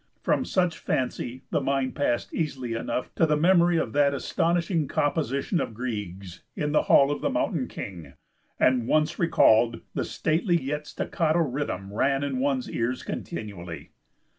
From such fancy the mind passed easily enough to the memory of that astonishing composition of Grieg's, "In the Hall of the Mountain King," and, once recalled, the stately yet staccato rhythm ran in one's ears continually.